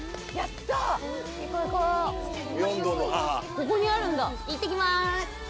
ここにあるんだいってきます！